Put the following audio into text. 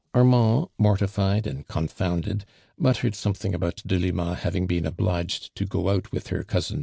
Armand, mortified and confound ed, muttered something about Delima hav ing been obliged to go out with her cousin Mi"8.